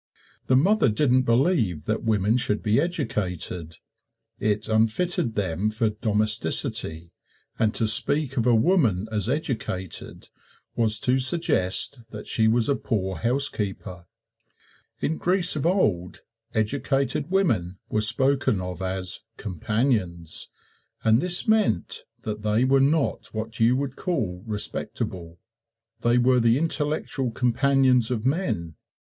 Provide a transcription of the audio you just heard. The mother didn't believe that women should be educated it unfitted them for domesticity, and to speak of a woman as educated was to suggest that she was a poor housekeeper. In Greece of old, educated women were spoken of as "companions" and this meant that they were not what you would call respectable. They were the intellectual companions of men.